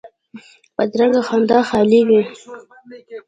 بدرنګه خندا خالي وي